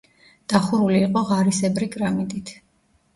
დახურული იყო ღარისებრი კრამიტით.